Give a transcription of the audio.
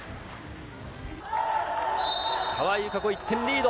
川井友香子、１点リード。